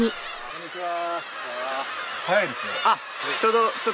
こんにちは。